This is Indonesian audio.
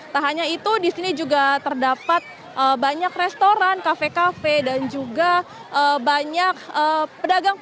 tak hanya itu di sini juga terdapat banyak restoran kafe kafe dan juga banyak pedagang